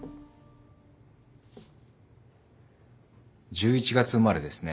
１１月生まれですね。